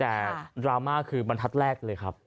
แต่ดราม่าคือบรรทัศน์แรกเลยครับ